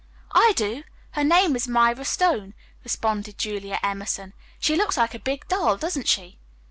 "I do. Her name is Myra Stone," responded Julia Emerson. "She looks like a big doll, doesn't she!"